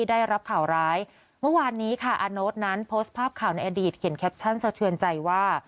อานโน๊ตเชิญยิ้มค่ะต้องบอกความในใจนะคะ